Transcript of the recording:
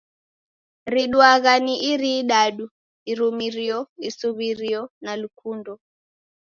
Riduagha ni iri idadu, Irumirio, isuw'irio, na lukundo